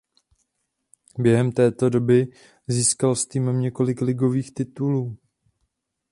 Během této doby získal s týmem několik ligových titulů.